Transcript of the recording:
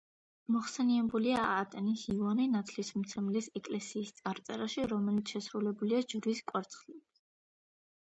მოხსენიებულია ატენის იოანე ნათლისმცემლის ეკლესიის წარწერაში, რომელიც შესრულებულია ჯვრის კვარცხლბეკზე.